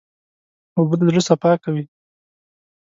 اوبه د زړه صفا کوي.